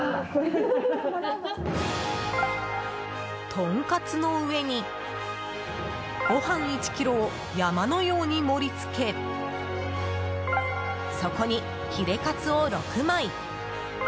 とんかつの上に、ご飯１ｋｇを山のように盛り付けそこにヒレカツを６枚。